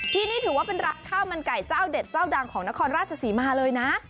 ที่นี่ถือว่าเป็นร้านข้าวมันไก่เจ้าเด็ดเจ้าดังของนครราชศรีมาเลยนะ